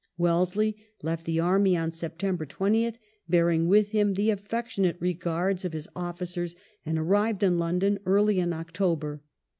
Wellesley left the army on September 20th, bear ing with him the aflfectionate regards of his officers, and arrived in London early in October.